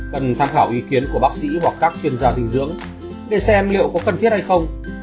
cần tham khảo ý kiến của bác sĩ hoặc các chuyên gia dinh dưỡng để xem liệu có cần thiết hay không